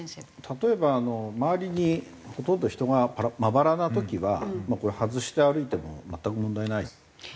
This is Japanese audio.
例えば周りにほとんど人がまばらな時は外して歩いても全く問題ない。